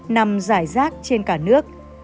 nằm rải rác trên cả nước